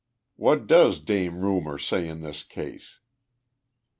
What does Dame Rumor say in this case?"